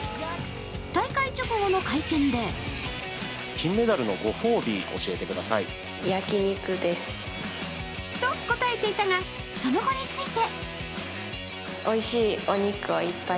大会直後の会見でと答えていたが、その後について。